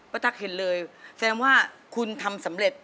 ตั๊กเห็นเลยแสดงว่าคุณทำสำเร็จ